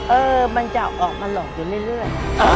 เออมันจะออกมาหลอกอยู่เรื่อย